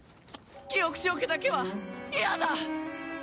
記憶消去だけは嫌だ！